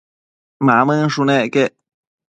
Mamënshunec quec